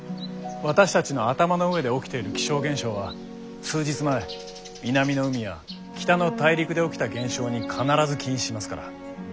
私たちの頭の上で起きている気象現象は数日前南の海や北の大陸で起きた現象に必ず起因しますから。